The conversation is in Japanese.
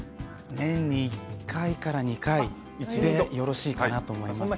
年に１回から２回でよろしいかなと思います。